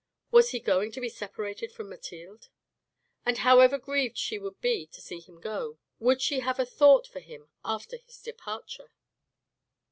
Was he going to be separated from Mathilde? And, however grieved she would be to see him go, would she have a thought for him after his departure